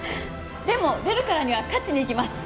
でも出るからには勝ちにいきます。